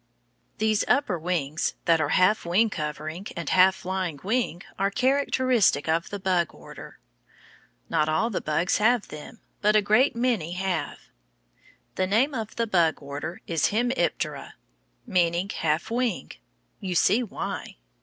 These upper wings, that are half wing cover and half flying wing, are characteristic of the bug order. Not all the bugs have them, but a great many have. The name of the bug order is HEM IP TERA, meaning half wing. You see why.